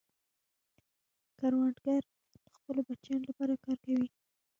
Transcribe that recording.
کروندګر د خپلو بچیانو لپاره کار کوي